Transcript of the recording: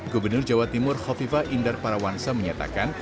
gubernur jawa timur hovifa indar parawansa menyatakan